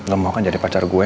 lo mau kan jadi pacar gue